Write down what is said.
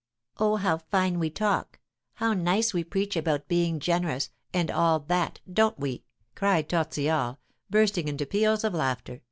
"Oh, how fine we talk! How nice we preach about being generous, and all that, don't we?" cried Tortillard, bursting into peals of laughter.